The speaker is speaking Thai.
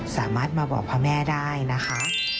สามารถมาบอกพระแม่ได้นะคะ